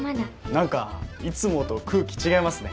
なんかいつもと空気違いますね。